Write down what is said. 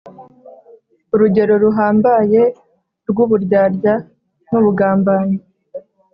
urugero ruhambaye rw'uburyarya n'ubugambanyi,